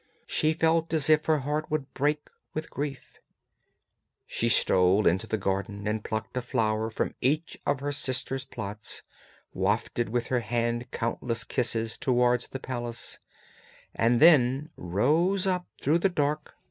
She felt as if her heart would break with grief. She stole into the garden and plucked a flower from each of her sisters' plots, wafted with her hand countless kisses towards the palace, and then rose up through the dark blue water.